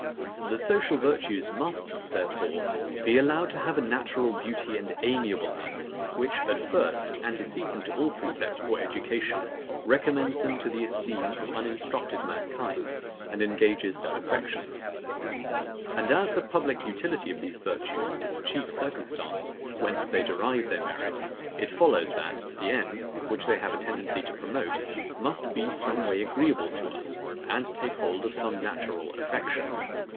The social virtues must, therefore, be allowed to have a natural beauty and amiableness, which, at first, antecedent to all precept or education, recommends them to the esteem of uninstructed mankind, and engages their affections. And as the public utility of these virtues is the chief circumstance, whence they derive their merit, it follows, that the end, which they have a tendency to promote, must be some way agreeable to us, and take hold of some natural affection.